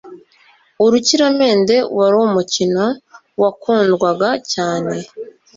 Urukiramende warumukino wa kundwaga cyane